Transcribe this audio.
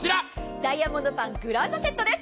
ダイヤモンドパングランドセットです。